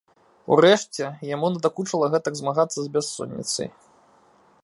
Урэшце яму надакучыла гэтак змагацца з бяссонніцай.